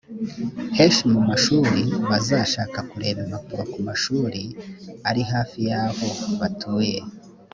henshi mu mashuri bazashaka kureba impapuro ku mashuri ari hafi y’aho batuye